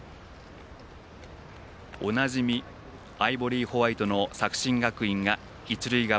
おなじみ、アイボリーホワイトの作新学院が一塁側。